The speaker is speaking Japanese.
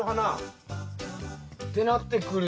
てなってくると。